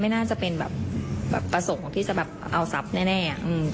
ไม่น่าจะเป็นประสงค์ที่จะเอาทรัพย์แน่